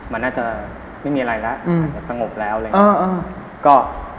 มันน่าจะไม่มีอะไรแล้วอืมไปจากสงบแล้วเลยเออเออ